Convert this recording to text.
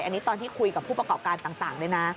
อันนี้ตอนที่คุยกับผู้ประกอบการต่างด้วยนะ